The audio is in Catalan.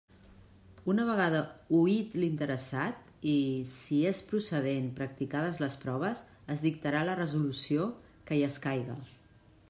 Una vegada oït l'interessat i, si és procedent, practicades les proves, es dictarà la resolució que hi escaiga.